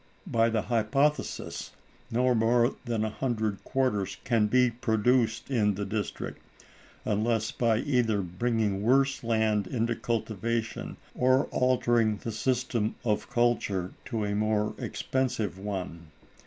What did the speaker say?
By the hypothesis, no more than a hundred quarters can be produced in the district, unless by either bringing worse land into cultivation, or altering the system of culture to a more expensive one.